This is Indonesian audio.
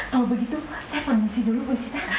kalau begitu saya permisi dulu bu sita